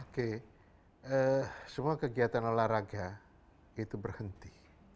oke semua kegiatan olahraga itu berhenti